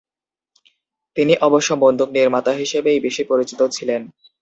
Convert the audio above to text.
তিনি অবশ্য বন্দুক নির্মাতা হিসেবেই বেশি পরিচিত ছিলেন।